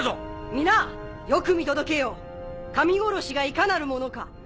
皆よく見届けよ神殺しがいかなるものか。